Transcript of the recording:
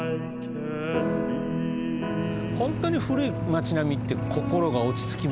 ホントに古い町並みって心が落ち着きますよね。